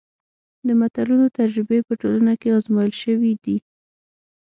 د متلونو تجربې په ټولنه کې ازمایل شوي دي